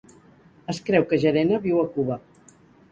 Es creu que Gerena viu a Cuba.